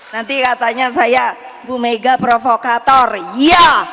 nanti katanya saya bu mega provokator iya